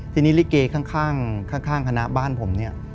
ทีนี้ลิเกข้างคณะบ้านผมเนี่ย